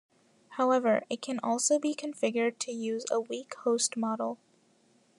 However, it can also be configured to use a weak host model.